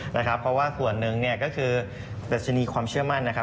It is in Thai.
นะครับเพราะว่าส่วนหนึ่งเนี่ยก็คือดัชณีความเชื่อมั่นนะครับ